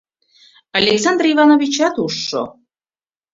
Александр Ивановичат ужшо.